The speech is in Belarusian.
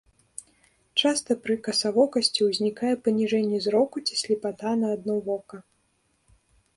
Часта пры касавокасці ўзнікае паніжэнне зроку ці слепата на адно вока.